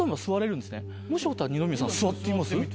もしよかったら二宮さん座ってみます？